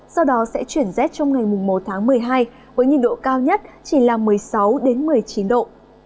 sau đó sẽ chuyển rét trong ngày một tháng một mươi hai với nhiệt độ cao nhất chỉ là một mươi sáu một mươi chín độ